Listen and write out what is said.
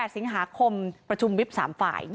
สิงหาคมประชุมวิบ๓ฝ่าย